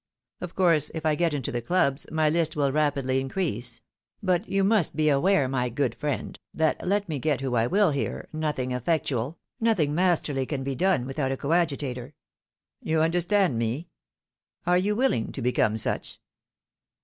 Of course, if I get into the clubs, my list will rapidly increase ; but you must be aware, my good friend, that let me get who I win here, nothing effectual, nothing masterly, can be done without a coadjutor. You understand me? Are you willing to become such?"